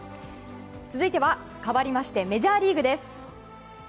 続いては、かわりましてメジャーリーグです。